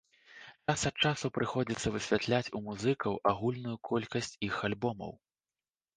Час ад часу прыходзіцца высвятляць у музыкаў агульную колькасць іх альбомаў.